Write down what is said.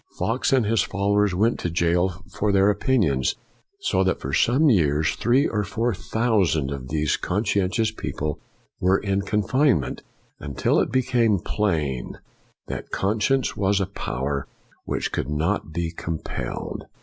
Fox and his followers went to jail for their opinions, so that for some years three or four thousand of these conscien tious people were in confinement, until it became plain that conscience was a power which could not be compelled.